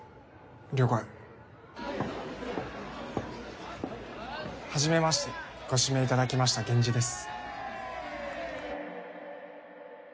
了解はじめましてご指名いただきましたゲンジです